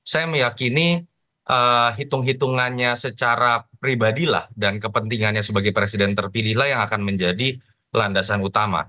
saya meyakini hitung hitungannya secara pribadilah dan kepentingannya sebagai presiden terpilihlah yang akan menjadi landasan utama